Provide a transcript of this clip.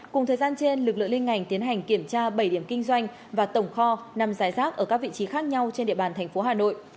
cùng thời gian trên lực lượng liên ngành tiến hành kiểm tra bảy điểm kinh doanh và tổng kho nằm giải rác ở các vị trí khác nhau trên địa bàn thành phố hà nội